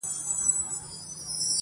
جادو ګر کړلې نارې ویل یې خدایه-